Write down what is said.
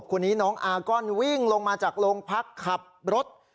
คนนี้น้องอาก้อนวิ่งลงมาจากโรงพักขับรถ